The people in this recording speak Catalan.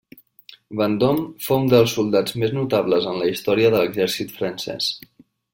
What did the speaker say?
Vendôme fou un dels soldats més notables en la història de l'exèrcit francès.